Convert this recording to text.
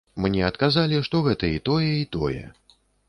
Мне адказалі, што гэта і тое, і тое.